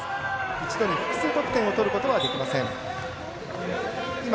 一度に複数得点を取ることはできません。